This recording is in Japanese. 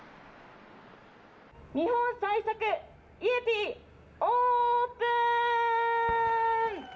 日本最速、イエティ、オープン！